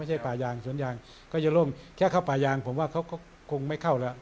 ป่ายางสวนยางก็จะล่มแค่เข้าป่ายางผมว่าเขาก็คงไม่เข้าแล้ว